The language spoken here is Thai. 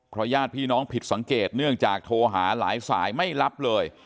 ญาติพี่น้องผิดสังเกตเนื่องจากโทรหาหลายสายไม่รับเลย